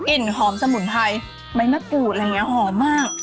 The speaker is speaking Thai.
กลิ่นหอมสมุนไพรใบมะกรูดอะไรอย่างนี้หอมมาก